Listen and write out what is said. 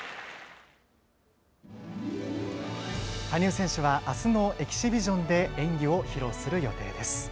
羽生選手はあすのエキシビジョンで演技を披露する予定です。